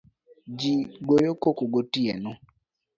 Jii goyo koko gotieno